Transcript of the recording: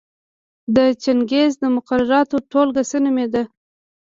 د چنګیز د مقرراتو ټولګه څه نومېده؟